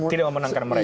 tidak memenangkan mereka